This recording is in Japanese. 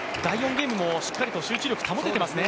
ゲームもしっかりと集中力、保てていますね。